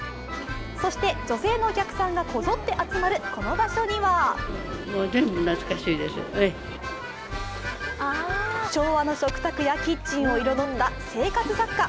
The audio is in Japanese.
そして女性のお客さんがこぞって集まるこの場所には昭和の食卓やキッチンを彩った生活雑貨。